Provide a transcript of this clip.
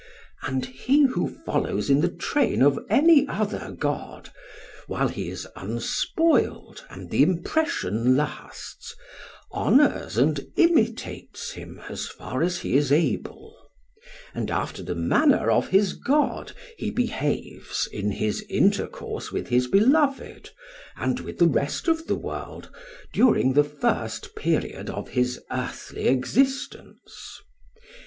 And he who follows in the train of any other god, while he is unspoiled and the impression lasts, honours and imitates him, as far as he is able; and after the manner of his God he behaves in his intercourse with his beloved and with the rest of the world during the first period of his earthly existence.